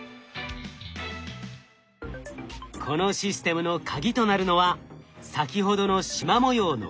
このシステムのカギとなるのは先ほどのしま模様のフラッシュ。